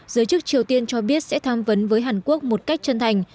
giới chức triều tiên cho biết sẽ tham vấn với hàn quốc một cách chân thành